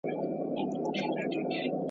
زموږ په سیوري کي جامونه کړنګېدلای !.